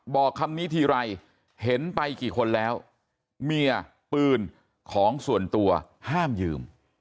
บอกคำนี้ทีไรเห็นไปกี่คนแล้วเมียปืนของส่วนตัวห้ามยืม